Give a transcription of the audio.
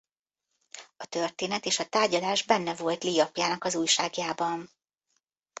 A történtet és a tárgyalás benne volt Lee apjának az újságjában.